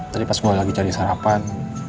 tadi pas gue lagi cari sarapan